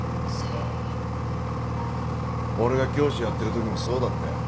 俺が教師やってる時もそうだったよ。